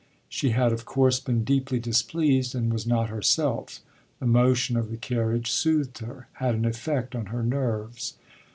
She had of course been deeply displeased and was not herself; the motion of the carriage soothed her, had an effect on her nerves.